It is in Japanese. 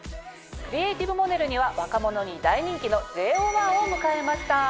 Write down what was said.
クリエイティブモデルには若者に大人気のＪＯ１を迎えました。